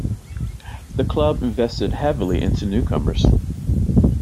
The club invested heavily in newcomers.